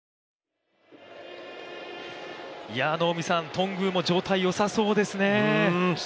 頓宮も状態良さそうですね。